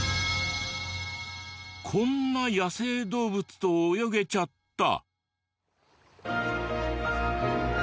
こんな野生動物と泳げちゃった！